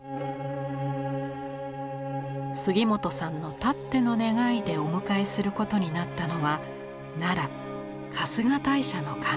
杉本さんのたっての願いでお迎えすることになったのは奈良春日大社の神。